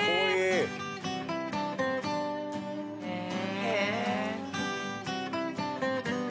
へえ！